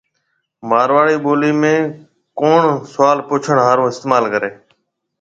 مارواڙِي ٻولِي ۾ ”ڪوُڻ“ سوال پُڇڻ هارون استمعال ڪريَ۔